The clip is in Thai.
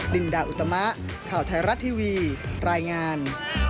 ลินดาอุตมะข่าวไทยรัฐทีวีรายงาน